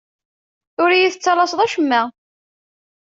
Ur yi-tettalaseḍ acemma.